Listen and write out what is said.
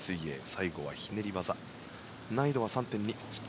最後はひねり技。